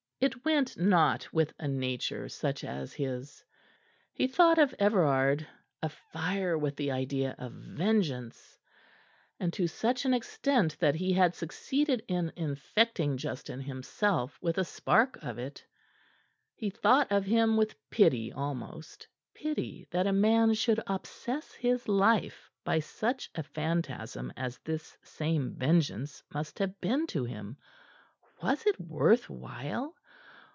It went not with a nature such as his. He thought of Everard, afire with the idea of vengence and to such an extent that he had succeeded in infecting Justin himself with a spark of it. He thought of him with pity almost; pity that a man should obsess his life by such a phantasm as this same vengeance must have been to him. Was it worth while?